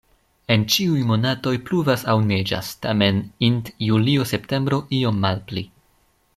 En ĉiuj monatoj pluvas aŭ neĝas, tamen int julio-septembro iom malpli.